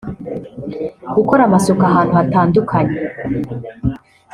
Gukora amasuku ahantu hatandukanye